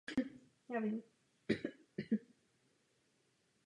S tím musíme něco udělat.